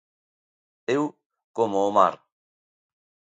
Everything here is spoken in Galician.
Eu, como o mar.